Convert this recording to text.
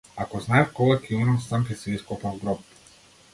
Ако знаев кога ќе умрам, сам ќе си ископав гроб.